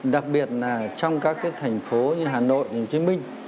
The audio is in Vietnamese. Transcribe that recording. đặc biệt là trong các thành phố như hà nội hồ chí minh